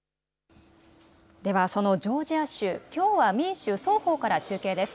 ではそのジョージア州共和、民主双方から中継です。